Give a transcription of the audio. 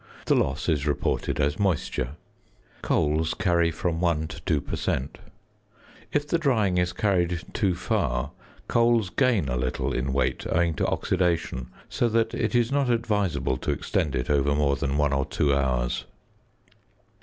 The loss is reported as moisture. Coals carry from 1 to 2 per cent. If the drying is carried too far, coals gain a little in weight owing to oxidation, so that it is not advisable to extend it over more than one or two hours.